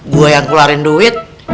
gue yang keluarin duit